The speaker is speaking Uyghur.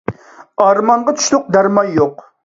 ئارمانغا تۇشلۇق دەرمان يوق!